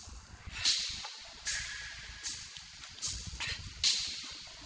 tidak ada yang berguna